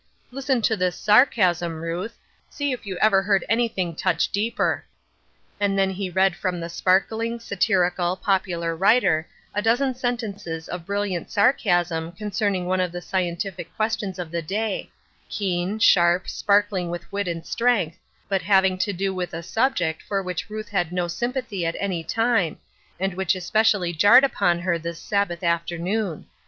" Listen to this sarcasm, Ruth ; see if you ever heard anj^thing touch deeper." And then he read from the sparkling, satirical, popular writer, a dozen sen tences of brilliant sarcasm concerning one of the scientific questions of the day — keen, sharp, sparkling with wit and strength, but having to do with a subject for which Ruth had no sympa thy at any time, and which especially jarred upon her this Sabbath afternoon.